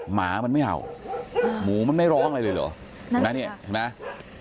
หมามันไม่เอาหมูมันไม่ร้องอะไรเลยเหรอเห็นไหมเนี่ยเห็นไหม